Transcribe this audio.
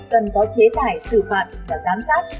cần có chế tài xử phạm và giám sát